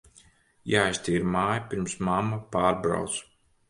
Jāiztīra māja, pirms mamma pārbrauc.